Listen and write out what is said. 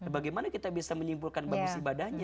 bagaimana kita bisa menyimpulkan bagus ibadahnya